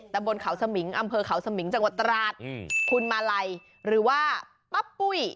บนเขาสมิงอำเภอเขาสมิงจังหวัดตราดคุณมาลัยหรือว่าปั๊บปุ้ย